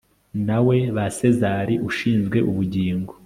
nawe, ba sezari, ushinzwe ubugingo